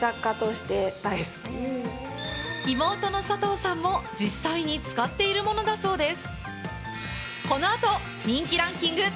しかも妹の佐藤さんも実際に使っているものだそうです。